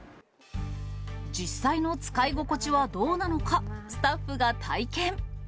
実際の使い心地はどうなのか、スタッフが体験。